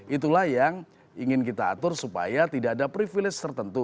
itulah yang ingin kita atur supaya tidak ada privilege tertentu